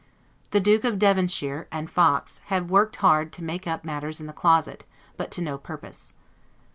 The Duke of Devonshire and Fox have worked hard to make up matters in the closet, but to no purpose.